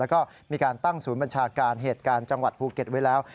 แล้วก็มีการตั้งศูนย์บัญชาการเหตุการณ์จังหวัดภูเก็ตไว้แล้ว